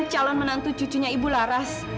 calon menantu cucunya ibu laras